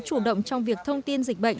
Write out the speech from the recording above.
chủ động trong việc thông tin dịch bệnh